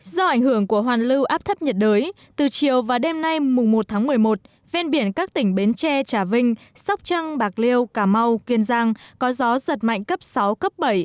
do ảnh hưởng của hoàn lưu áp thấp nhiệt đới từ chiều và đêm nay một tháng một mươi một ven biển các tỉnh bến tre trà vinh sóc trăng bạc liêu cà mau kiên giang có gió giật mạnh cấp sáu cấp bảy